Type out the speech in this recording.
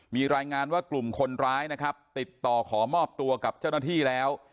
มีรายงานว่ากลุ่มคนร้ายนะครับติดต่อขอมอบตัวกับเจ้าหน้าที่แล้ว